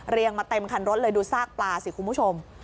มาเต็มคันรถเลยดูซากปลาสิคุณผู้ชม